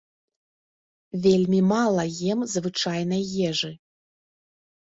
Вельмі мала ем звычайнай ежы.